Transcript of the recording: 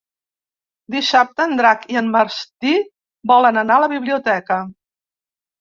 Dissabte en Drac i en Martí volen anar a la biblioteca.